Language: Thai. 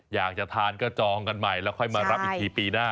อยากจะทานก็จองกันใหม่แล้วค่อยมารับอีกทีปีหน้า